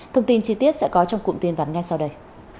thông tin chi tiết sẽ có trong cụm tin vắn ngay sau đây